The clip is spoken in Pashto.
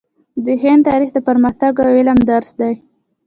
د هند تاریخ د پرمختګ او علم درس دی.